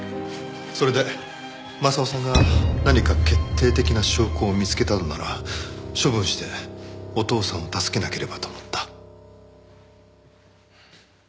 それで雅夫さんが何か決定的な証拠を見つけたのなら処分してお父さんを助けなければと思った。